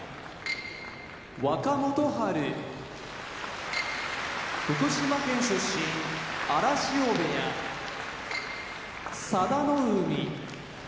若元春福島県出身荒汐部屋佐田の海